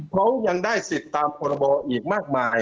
เขายังได้สิทธิ์ตามพรบอีกมากมาย